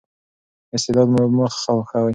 استعداد مو مه خښوئ.